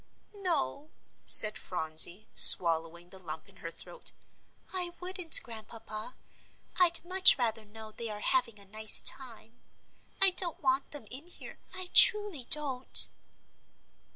"No," said Phronsie, swallowing the lump in her throat, "I wouldn't, Grandpapa; I'd much rather know they are having a nice time. I don't want them in here, I truly don't."